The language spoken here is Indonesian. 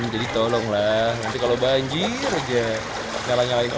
jadi tolonglah nanti kalau banjir nyalah nyalahin orang